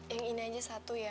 yang ini aja satu ya